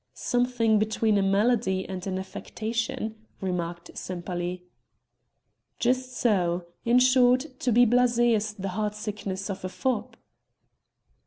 "Something between a malady and an affectation," remarked Sempaly. "Just so; in short, to be blasé is the heartsickness of a fop."